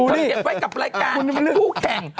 เดี๋ยวเก็บไว้กับรายการและผู้แข่ง